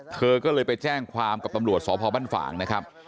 เธอก็เลยไปแจ้งความกับตำรวจสพบ้านฝ่างนะครับ